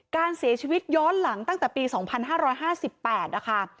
การเสียชีวิตย้อนหลังตั้งแต่ปี๒๕๕๘นะคะ